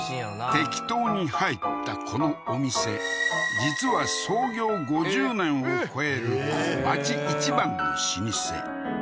適当に入ったこのお店実は創業５０年を超える街一番の老舗